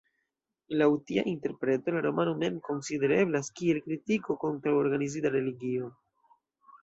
Laŭ tia interpreto la romano mem konsidereblas kiel kritiko kontraŭ organizita religio.